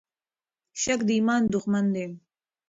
شک د ایمان دښمن دی.